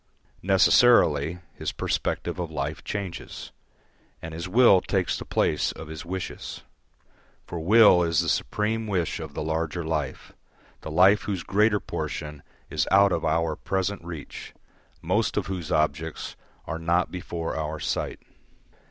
Necessarily, his perspective of life changes, and his will takes the place of his wishes. For will is the supreme wish of the larger life, the life whose greater portion is out of our present reach, most of whose objects are not before our sight.